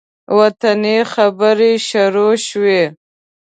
وطني خبرې شروع شوې.